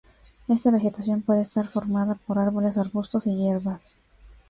Esta vegetación puede estar formada por árboles, arbustos y hierbas.